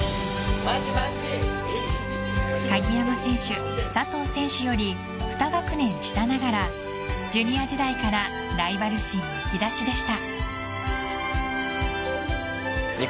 鍵山選手、佐藤選手より２学年下ながらジュニア時代からライバル心むき出しでした。